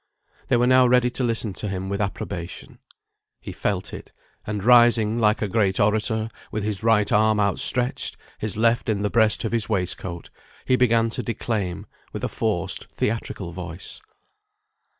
They were now ready to listen to him with approbation. He felt it; and rising like a great orator, with his right arm outstretched, his left in the breast of his waistcoat, he began to declaim, with a forced theatrical voice.